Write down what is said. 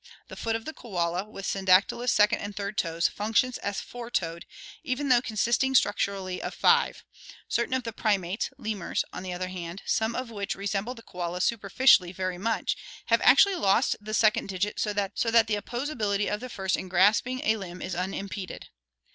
The foot of the koala, with syndactylous second and third toes, functions as four toed, even though consisting structurally of five; certain of the primates (lemurs), on the other hand, some of which re semble the koala superficially very much, have actually lost the second digit so that the oppos ability of the first in grasping a limb is unimpeded.